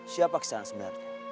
siapa kesan sebenarnya